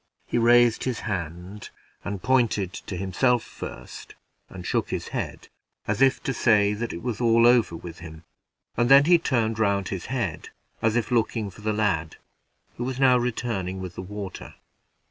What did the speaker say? He raised his hand and pointed to himself first, and shook his head, as if to say that it was all over with him; and then he turned round his head, as if looking for the lad, who was now returning with the water.